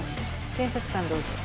検察官どうぞ。